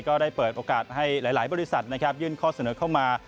ก็ได้เปิดโอกาสให้หลายบริษัทยื่นข้อเสนอเข้ามา